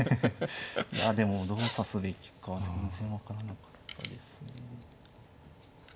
いやでもどう指すべきか全然分からなかったですね。